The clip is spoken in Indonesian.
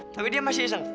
tapi dia masih iseng